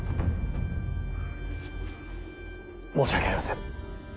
申し訳ありません。